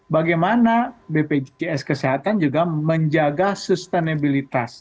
bagaimana bpjs kesehatan juga menjaga sustenabilitas